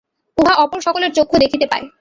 উহা অপর সকলের চক্ষু দেখিতে পায়।